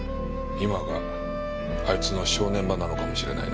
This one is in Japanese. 今があいつの正念場なのかもしれないな。